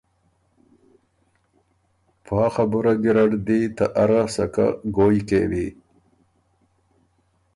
پا خبُره ګیرډ دی ته اره سکه ګویٛ کېوی،